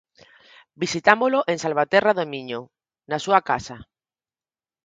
Visitámolo en Salvaterra de Miño, na súa casa.